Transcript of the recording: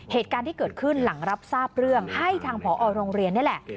เหตุการณ์ที่เกิดขึ้นหลังรับทราบเรื่องให้ทางผอโรงเรียนนี่แหละ